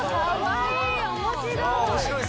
「面白い！」